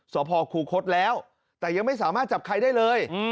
สพคูคศแล้วแต่ยังไม่สามารถจับใครได้เลย